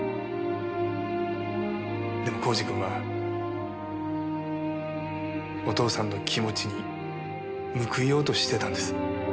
でも耕治君はお父さんの気持ちに報いようとしてたんです。